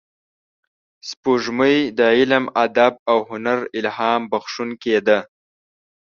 سپوږمۍ د علم، ادب او هنر الهام بخښونکې ده